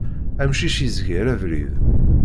Amcic yezger abrid.